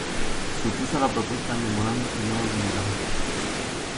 Se opuso a la propuesta del memorando firmado con Irán.